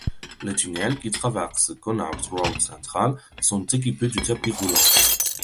Les tunnels, qui traversent Connaught Road Central, sont équipés de tapis roulants.